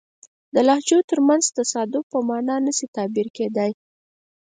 د لهجو ترمنځ تصادم په معنا نه شي تعبیر کېدای.